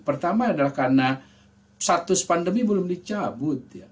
pertama adalah karena status pandemi belum dicabut ya